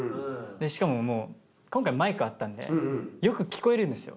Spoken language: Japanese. しかももう今回マイクあったんでよく聴こえるんですよ。